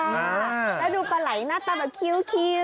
แล้วดูปลายหน้าตาแบบคิ้ว